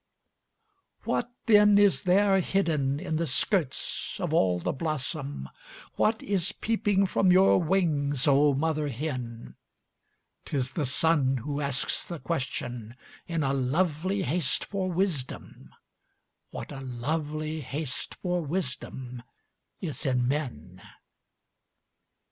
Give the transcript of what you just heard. What then is there hidden in the skirts of all the blossom, What is peeping from your wings, oh mother hen? 'T is the sun who asks the question, in a lovely haste for wisdom What a lovely haste for wisdom is in men?